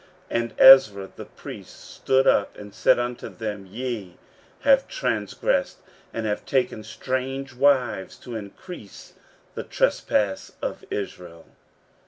15:010:010 And Ezra the priest stood up, and said unto them, Ye have transgressed, and have taken strange wives, to increase the trespass of Israel.